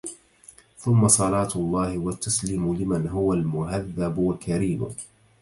ثم صلاة الله والتسليمُ لمن هو المهذبُ الكريمُ